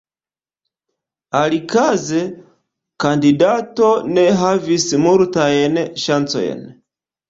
Alikaze, kandidato ne havis multajn ŝancojn.